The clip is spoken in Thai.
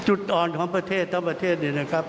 จุดอ่อนของประเทศทั้งประเทศเนี่ยนะครับ